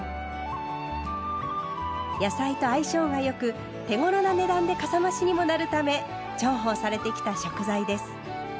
野菜と相性が良く手ごろな値段でかさ増しにもなるため重宝されてきた食材です。